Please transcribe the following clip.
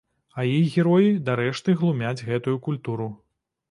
А іх героі дарэшты глумяць гэтую культуру.